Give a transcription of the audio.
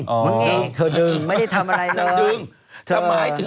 มึงเองเธอดึงไม่ได้ทำอะไรเลยนางดึง